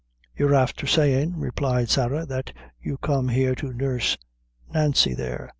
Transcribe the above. "You're afther sayin'," replied Sarah, "that you're come here to nurse Nancy there.